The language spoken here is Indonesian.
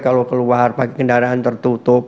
kalau keluar pakai kendaraan tertutup